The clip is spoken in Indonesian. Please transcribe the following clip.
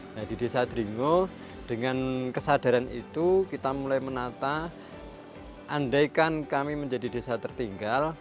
nah di desa dringo dengan kesadaran itu kita mulai menata andaikan kami menjadi desa tertinggal